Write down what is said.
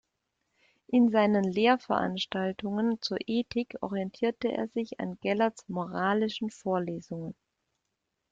In seinen Lehrveranstaltungen zur Ethik orientierte er sich an Gellerts "Moralischen Vorlesungen".